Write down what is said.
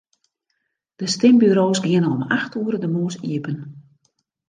De stimburo's geane om acht oere de moarns iepen.